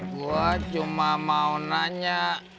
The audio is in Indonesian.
gua cuma mau nanya